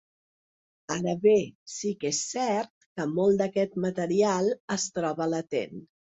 Ara bé, sí que és cert que molt d’aquest material es troba latent.